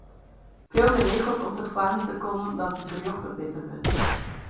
Priuw geregeld om te foaren te kommen dat it gerjocht te bitter wurdt.